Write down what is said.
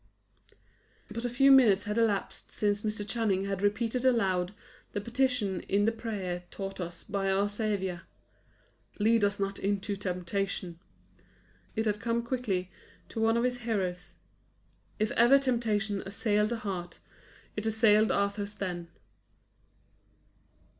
But a few minutes had elapsed since Mr. Channing had repeated aloud the petition in the prayer taught us by our Saviour "Lead us not into temptation!" It had come quickly to one of his hearers. If ever temptation assailed a heart, it assailed Arthur's then.